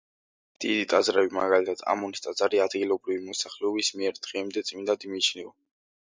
დიდი ტაძრები, მაგალითად ამონის ტაძარი ადგილობრივი მოსახლეობის მიერ დღემდე წმინდად მიიჩნევა.